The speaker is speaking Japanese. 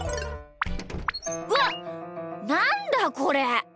うわなんだこれ！